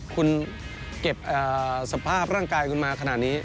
คุณเก็บสภาพร่างกายคุณมาขนาดนี้